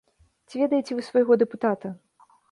Ці ведаеце вы свайго дэпутата?